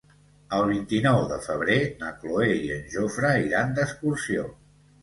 El vint-i-nou de febrer na Cloè i en Jofre iran d'excursió.